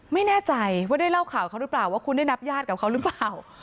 ไม่แน่ใจว่าได้เล่าข่าวเขาหรือเปล่าว่าคุณได้นับญาติกับเขาหรือเปล่า